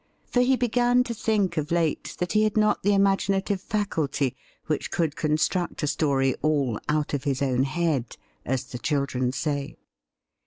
For he began to think of late that he had not the imaginative faculty which could construct a story all ' out of his own head,' as the children say.